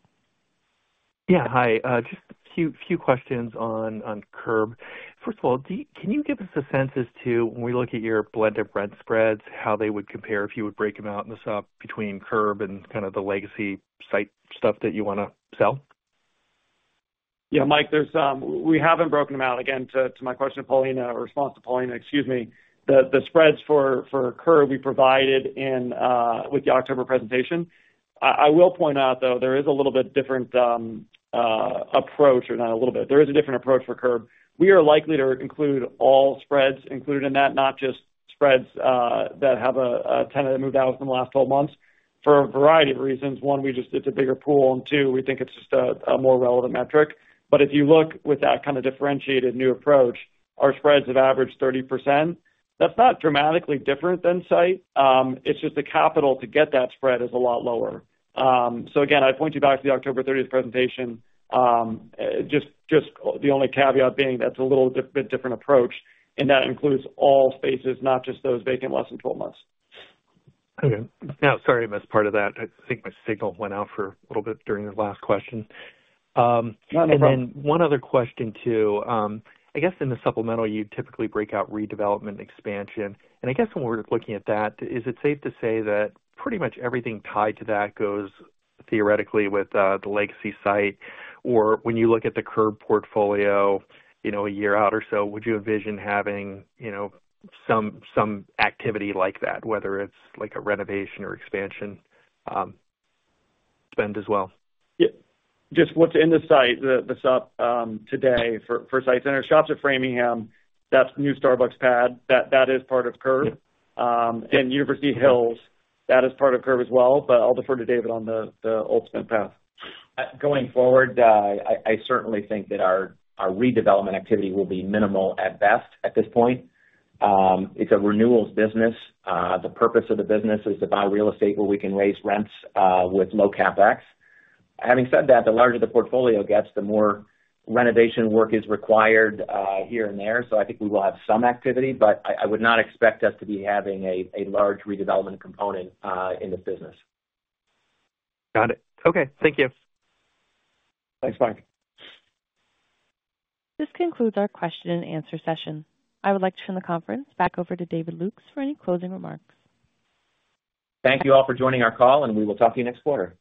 [SPEAKER 14] Yeah. Hi, just a few questions on Curb. First of all, can you give us a sense as to, when we look at your blend of rent spreads, how they would compare if you would break them out in the Sup between Curb and kind of the legacy SITE stuff that you wanna sell?
[SPEAKER 4] Yeah, Mike, there's.. We haven't broken them out. Again, to my question, Paulina, or response to Paulina, excuse me, the spreads for Curb we provided in with the October presentation. I will point out, though, there is a little bit different approach, or not a little bit, there is a different approach for Curb. We are likely to include all spreads included in that, not just spreads that have a tenant that moved out within the last 12 months, for a variety of reasons. One, we just, it's a bigger pool, and two, we think it's just a more relevant metric. But if you look with that kind of differentiated new approach, our spreads have averaged 30%. That's not dramatically different than SITE. It's just the capital to get that spread is a lot lower. So again, I'd point you back to the October thirtieth presentation. Just the only caveat being that's a little bit different approach, and that includes all spaces, not just those vacant less than 12 months.
[SPEAKER 14] Okay. Now, sorry, I missed part of that. I think my signal went out for a little bit during the last question.
[SPEAKER 4] Not a problem.
[SPEAKER 14] One other question, too. I guess, in the supplemental, you typically break out redevelopment expansion, and I guess, when we're looking at that, is it safe to say that pretty much everything tied to that goes theoretically with the legacy SITE? Or when you look at the Curb portfolio, you know, a year out or so, would you envision having, you know, some activity like that, whether it's like a renovation or expansion, spend as well?
[SPEAKER 4] Yeah. Just what's in the SITE, the Sup today for SITE Centers Shops at Framingham, that's new Starbucks pad, that is part of Curb. And University Hills, that is part of Curb as well, but I'll defer to David on the ultimate path.
[SPEAKER 3] Going forward, I certainly think that our redevelopment activity will be minimal at best at this point. It's a renewals business. The purpose of the business is to buy real estate where we can raise rents with low CapEx. Having said that, the larger the portfolio gets, the more renovation work is required here and there. So I think we will have some activity, but I would not expect us to be having a large redevelopment component in the business.
[SPEAKER 14] Got it. Okay. Thank you.
[SPEAKER 4] Thanks, Mike.
[SPEAKER 1] This concludes our question-and-answer session. I would like to turn the conference back over to David Lukes for any closing remarks.
[SPEAKER 3] Thank you all for joining our call, and we will talk to you next quarter.